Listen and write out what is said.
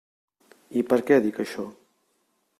I per què dic això?